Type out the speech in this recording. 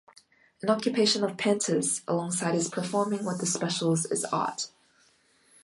An occupation of Panter's alongside his performing with the Specials is art.